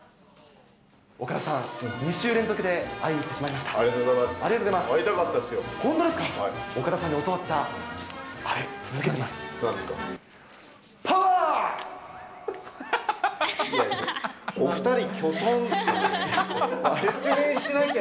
岡田さん、２週連続で会いに来てしまいました。